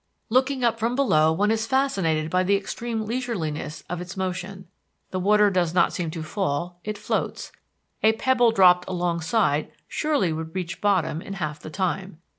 Looking up from below one is fascinated by the extreme leisureliness of its motion. The water does not seem to fall; it floats; a pebble dropped alongside surely would reach bottom in half the time.